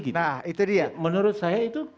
nah itu dia menurut saya itu